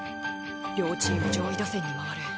両チーム上位打線にまわる。